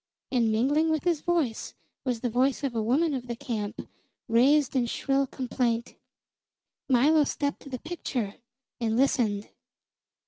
And mingling with his voice was the voice of a woman of the camp, raised in shrill complaint. Milo stepped to the picture and listened.